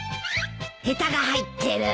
へたが入ってる。